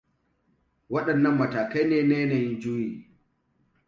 Waɗannan matakai ne na yanayin juyi.